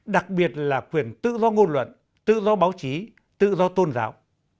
đặc biệt là quyền tự do ngôn luận tự do báo chí tự do tôn giáo